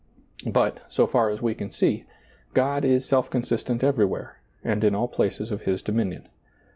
But, so far as we can see, God is self consistent everywhere, and in all places of His dominion.